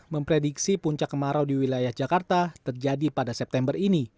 memprediksi puncak kemarau di wilayah jakarta terjadi pada september ini